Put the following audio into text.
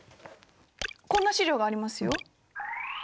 こんな資料がありますよ。